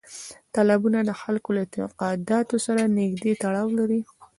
تالابونه د خلکو له اعتقاداتو سره نږدې تړاو لري.